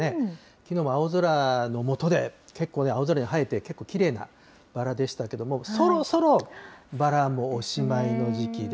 きのうも青空の下で、結構ね、青空に映えてきれいなバラでしたけども、そろそろバラもおしまいの時期で。